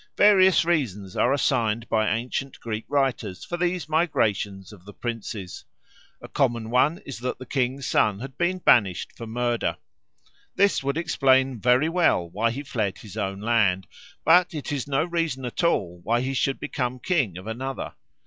Various reasons are assigned by ancient Greek writers for these migrations of the princes. A common one is that the king's son had been banished for murder. This would explain very well why he fled his own land, but it is no reason at all why he should become king of another.